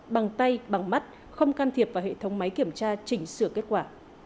bằng tay bằng mắt không can thiệp vào hệ thống máy kiểm tra chỉnh sửa kết quả